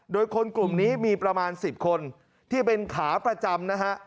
โดยคนกลุ่มนี้มีประมาณ๑๐คนที่เป็นขาประจำนะฮะ